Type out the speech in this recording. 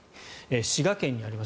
滋賀県にあります